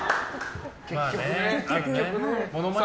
結局ね。